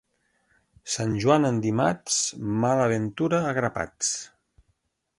Sant Joan en dimarts, mala ventura a grapats.